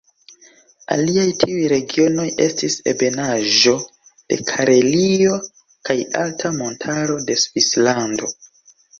Aliaj tiuj regionoj estis ebenaĵo de Karelio kaj alta montaro de Svislando.